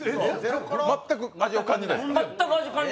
全く味を感じないです。